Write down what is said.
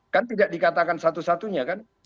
kan tidak dikatakan satu satunya kan